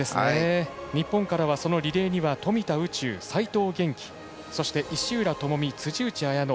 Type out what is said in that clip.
日本からはリレーには富田宇宙、齋藤元希そして、石浦智美、辻内彩野。